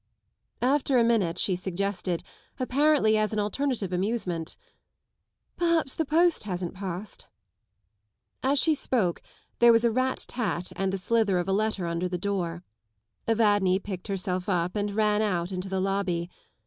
After a minute she suggested, apparently as an alternative amusement, Perhaps the post hasn't passed." 101 As she spoke there was a rat tat and the slither of a letter under the door. Evadne picked herself up and ran out Into the lobby.